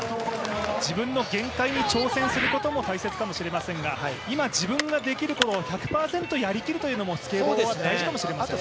自分の限界に挑戦することも大切かもしれませんが今自分ができることを１００％やりきるということもスケボーは大事かもしれませんね。